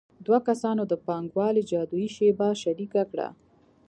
دوه کسانو د پانګوالۍ جادويي شیبه شریکه کړه